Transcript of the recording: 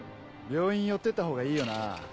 病院寄ってったほうがいいよな。